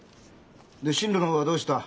進路の方はどうした？